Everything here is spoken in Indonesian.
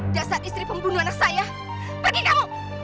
dasar istri pembunuh anak saya pergi kamu